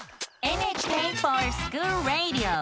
「ＮＨＫｆｏｒＳｃｈｏｏｌＲａｄｉｏ」！